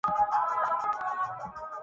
کہ مژگاں جس طرف وا ہو‘ بہ کف دامانِ صحرا ہے